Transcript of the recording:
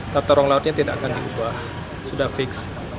tata ruang lautnya tidak akan diubah sudah fix